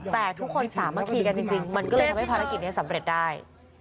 แต่ทุกคนสามัคคีกันจริงมันก็เลยทำให้ภารกิจนี้สำเร็จได้